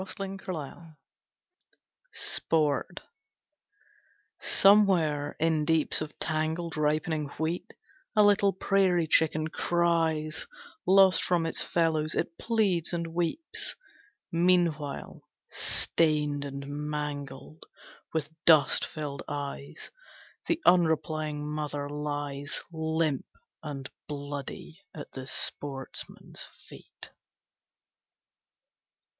Hamlin Garland Sport SOMEWHERE, in deeps Of tangled, ripening wheat, A little prairie chicken cries Lost from its fellows, it pleads and weeps. Meanwhile, stained and mangled, With dust filled eyes, The unreplying mother lies Limp and bloody at the sportsman's feet.